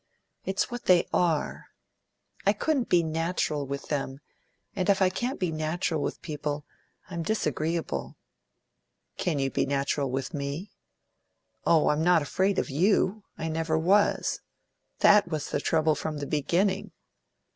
"It's what they are. I couldn't be natural with them, and if I can't be natural with people, I'm disagreeable." "Can you be natural with me?" "Oh, I'm not afraid of you. I never was. That was the trouble, from the beginning."